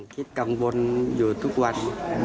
คิดกังวลอยู่ทุกวัน